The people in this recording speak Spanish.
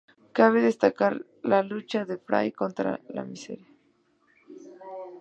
Cabe destacar la lucha de "Fray" contra la miseria.